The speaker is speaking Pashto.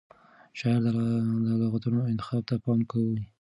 شاعر د لغتونو انتخاب ته پام کوي.